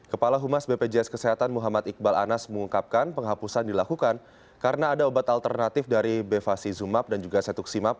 kepala humas bpjs kesehatan muhammad iqbal anas mengungkapkan penghapusan dilakukan karena ada obat alternatif dari bevacizumab dan juga cetuximab